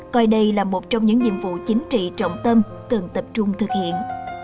coi đây là một trong những nhiệm vụ chính trị trọng tâm cần tập trung thực hiện